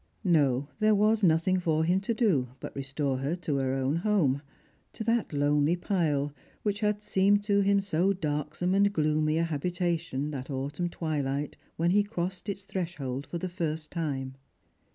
No, there was nothing for him to do but restore her to her own home — to that lonely pile which had seemed to him so darksome and gloomy a habi tation that autumn twilight when he crossed its threshold for the first time.